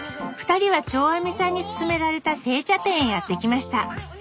２人は長阿彌さんにすすめられた製茶店へやって来ました。